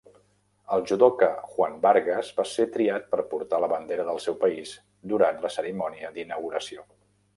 El judoka Juan Vargas va ser triat per portar la bandera del seu país durant la cerimònia d'inauguració.